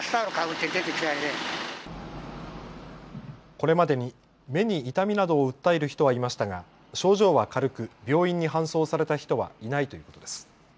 これまでに目に痛みなどを訴える人はいましたが症状は軽く病院に搬送された人はいないということです。